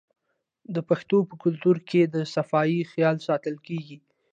د پښتنو په کلتور کې د صفايي خیال ساتل کیږي.